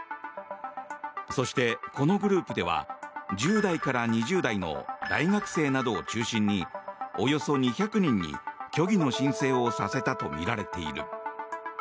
そして、このグループでは１０代から２０代の大学生などを中心におよそ２００人に虚偽の申請をさせたとみられている。